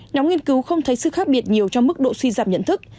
nhóm nghiên cứu không thấy sự khác biệt nhiều trong mức độ suy giảm nhận thức